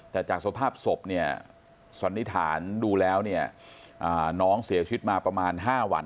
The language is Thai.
แต่จากสภาพศพเนี่ยสันนิษฐานดูแล้วเนี่ยน้องเสียชีวิตมาประมาณ๕วัน